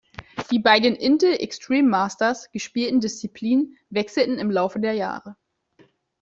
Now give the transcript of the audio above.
Die bei den "Intel Extreme Masters" gespielten Disziplinen wechselten im Laufe der Jahre.